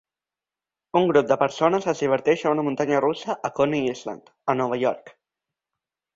Un grup de persones es diverteix en una muntanya russa a Coney Island, a Nova York.